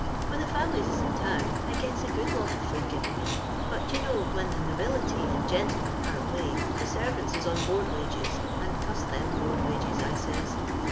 When the fam'lies is in town I gets a good lot of food given me, but you know when the nobility and gentlemen are away the servants is on board wages, and cuss them board wages, I says.